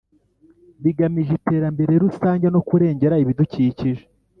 bigamije iterambere rusange no kurengera ibidukikije